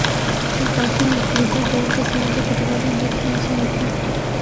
وفاقی محفوظہ بورڈ کے صنعتی پیداواری انڈیکس نے ایسا ہی کِیا